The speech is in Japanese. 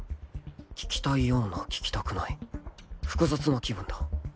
聞きたいような聞きたくない複雑な気分だ